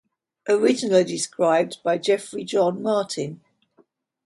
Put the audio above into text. Originally described by Jeffrey John Martin.